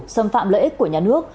xâm phạm lợi ích của nhà nước